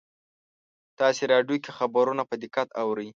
تاسې راډیو کې خبرونه په دقت اورئ